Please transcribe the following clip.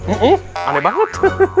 iya aneh banget